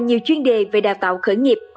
nhiều chuyên đề về đào tạo khởi nghiệp